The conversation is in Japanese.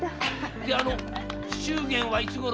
で祝言はいつごろ？